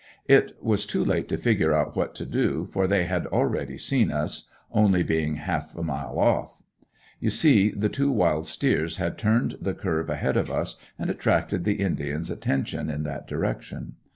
It was too late to figure on what to do, for they had already seen us, only being about half a mile off. You see the two wild steers had turned the curve ahead of us and attracted the indians attention in that direction.